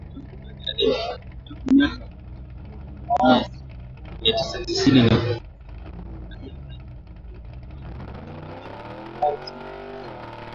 Tangu miaka ya elfu moja mia tisa tisini na kuua raia wengi ambapo wengi wao ni katika mashambulizi ya usiku wa manane.